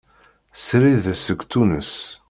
Srid seg Tunes.